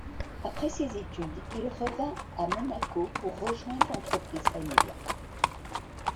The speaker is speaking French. Après ses études il revint à Monaco pour rejoindre l'entreprise familiale.